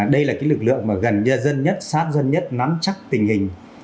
đây là lực lượng gần dân nhất sát dân nhất nắm chắc tình hình